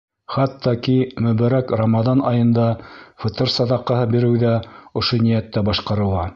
Хатта ки мөбәрәк Рамаҙан айында фытыр саҙаҡаһы биреү ҙә ошо ниәттә башҡарыла.